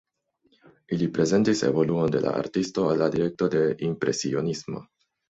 Ili prezentis evoluon de la artisto al la direkto de impresionismo.